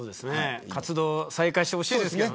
活動再開してほしいんですけどね。